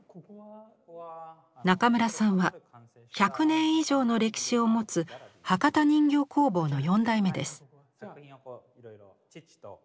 中村さんは１００年以上の歴史を持つ博多人形工房の４代目です。